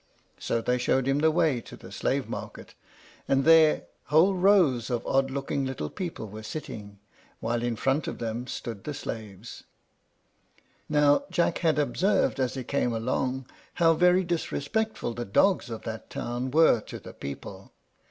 So they showed him the way to the slave market, and there whole rows of odd looking little people were sitting, while in front of them stood the slaves. Now Jack had observed as he came along how very disrespectful the dogs of that town were to the people.